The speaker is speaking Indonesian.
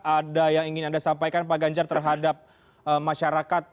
ada yang ingin anda sampaikan pak ganjar terhadap masyarakat